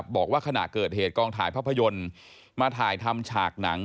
บอกว่าขณะเกิดเหตุกองถ่ายภาพยนตร์มาถ่ายทำฉากหนัง